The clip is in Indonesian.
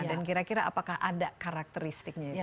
dan kira kira apakah ada karakteristiknya